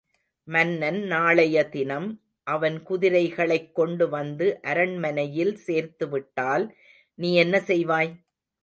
மன்னன் நாளைய தினம் அவன் குதிரைகளைக் கொண்டுவந்து அரண்மனையில் சேர்த்து விட்டால் நீ என்ன செய்வாய்?